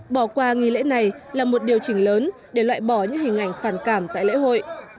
bỏ qua nghi lễ này là một điều chỉnh lớn để loại bỏ những hình ảnh phản cảm tại lễ hội